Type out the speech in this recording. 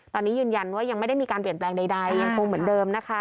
ตอนนี้ยืนยันว่ายังไม่ได้มีการเปลี่ยนแปลงใดยังคงเหมือนเดิมนะคะ